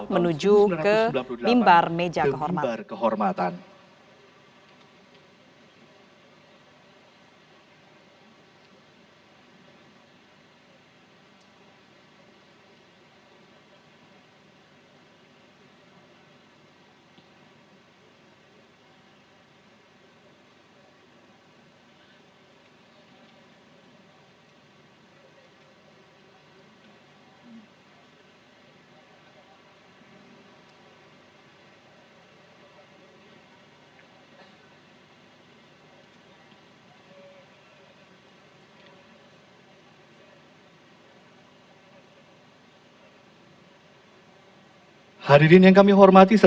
menuju ke mimbar meja kehormatan